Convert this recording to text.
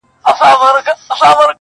په خپل ژوند کي یې بوره نه وه څکلې -